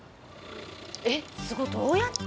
えっすごいどうやって？